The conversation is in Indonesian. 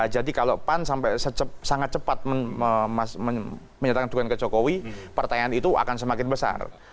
jadi kalau pan sampai sangat cepat menyatakan dukungan ke jokowi pertanyaan itu akan semakin besar